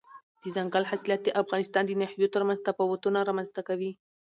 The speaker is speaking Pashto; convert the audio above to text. دځنګل حاصلات د افغانستان د ناحیو ترمنځ تفاوتونه رامنځته کوي.